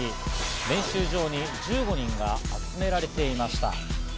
練習場に１５人が集められていました。